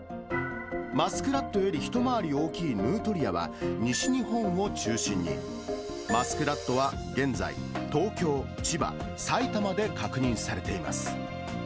マスクラットより一回り大きいヌートリアは、西日本を中心に、マスクラットは現在、東京、千葉、埼玉で確認されています。